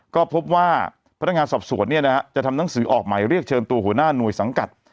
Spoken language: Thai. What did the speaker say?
ก็พบว่าพนักงานสอบสวนจะทำหนังสือออกหมายเรียกเชิญตัวหัวหน้าหน่วยสังกัด